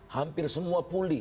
hampir semua pulih